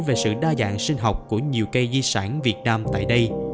về sự đa dạng sinh học của nhiều cây di sản việt nam tại đây